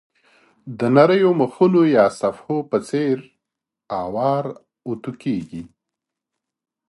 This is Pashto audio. د نریو مخونو یا صفحو په څېر اوار او اوتو کېږي.